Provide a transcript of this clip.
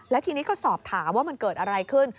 และทีนี้ก็สอบถามว่ามันเกิดอะไรขึ้น